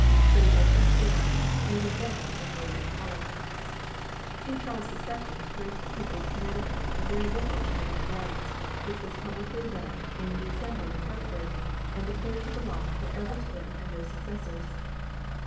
So the oak was spared; even then it was old and hollow. "King Charles II. granted the people of Connecticut a very liberal charter of rights, which was publicly read in the Assembly at Hartford and declared to belong for ever to them and their successors.